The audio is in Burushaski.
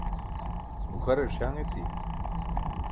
gukʰarar śaṅ eti